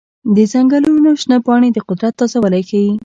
د ځنګلونو شنه پاڼې د قدرت تازه والی ښيي.